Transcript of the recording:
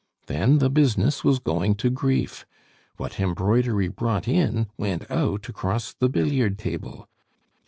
"Then the business was going to grief; what embroidery brought in went out across the billiard table.